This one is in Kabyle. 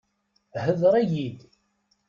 Hḍeṛ-iyi-d!